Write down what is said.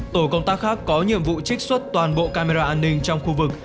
tổ công tác khác có nhiệm vụ trích xuất toàn bộ camera an ninh trong khu vực